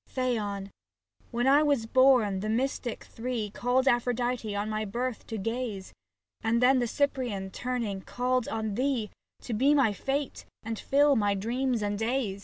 Phaon ! when I was born, the mystic three Called Aphrodite on my birth to gaze, And then the Cyprian, turning, called on thee To be my fate and fill my dreams and days.